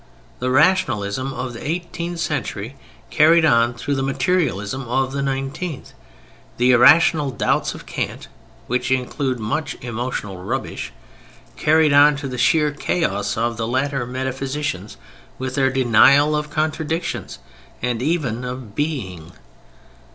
The rationalism of the eighteenth century carried on through the materialism of the nineteenth, the irrational doubts of Kant (which included much emotional rubbish) carried on to the sheer chaos of the later metaphysicians, with their denial of contradictions, and even of being.